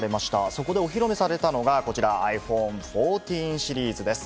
そこでお披露目されたのがこちら、ｉＰｈｏｎｅ１４シリーズです。